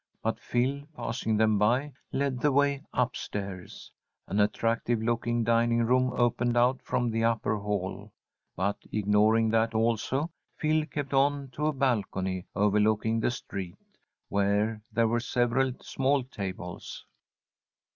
But Phil, passing them by, led the way up stairs. An attractive looking dining room opened out from the upper hall, but, ignoring that also, Phil kept on to a balcony overlooking the street, where there were several small tables.